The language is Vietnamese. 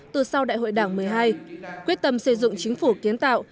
từ sau đại hội đảng một mươi hai quyết tâm xây dựng chính phủ kiến tạo